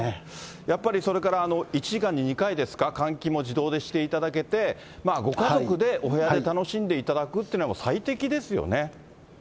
やっぱりそれから１時間に２回ですか、換気も自動でしていただけて、ご家族でお部屋で楽しんでいただくというのが、最適ですよね。